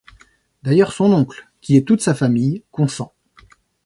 D’ailleurs son oncle, qui est toute sa famille, consent.